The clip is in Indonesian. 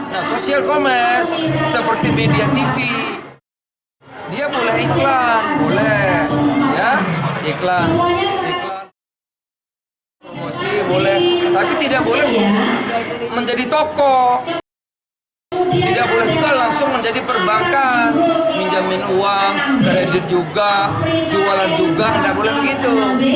nah sosial komers seperti media tv dia boleh iklan boleh ya iklan iklan promosi boleh tapi tidak boleh menjadi toko tidak boleh juga langsung menjadi perbankan minjamin uang kredit juga jualan juga tidak boleh begitu